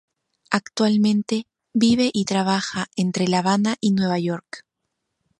Actualmente vive y trabaja entre La Habana y Nueva York.